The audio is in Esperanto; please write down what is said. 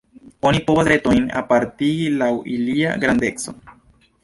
Oni povas retojn apartigi laŭ ilia grandeco.